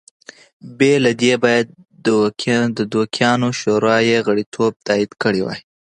بې له دې باید د دوکیانو شورا یې غړیتوب تایید کړی وای